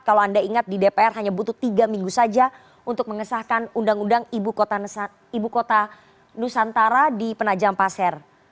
kalau anda ingat di dpr hanya butuh tiga minggu saja untuk mengesahkan undang undang ibu kota nusantara di penajam pasir